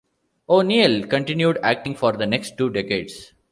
O'Neill continued acting for the next two decades.